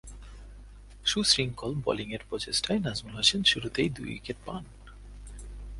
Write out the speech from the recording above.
সুশৃঙ্খল বোলিংয়ের প্রচেষ্টায় নাজমুল হোসেন শুরুতেই দুই উইকেট পান।